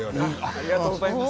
ありがとうございます。